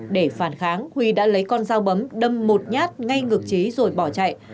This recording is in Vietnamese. để phản kháng huy đã lấy con dao bấm đâm một nhát ngay ngược trí rồi bỏ chạy